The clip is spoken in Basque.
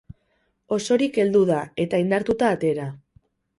Osorik heldu da, eta indartuta atera.